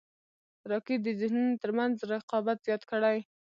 راکټ د ذهنونو تر منځ رقابت زیات کړی